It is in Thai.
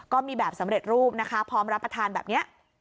ก็มีแบบสำเร็จรูปนะคะพร้อมรับประทานแบบนี้